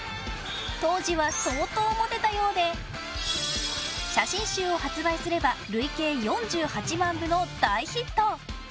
当時は相当モテたようで写真集を発売すれば累計４８万部の大ヒット。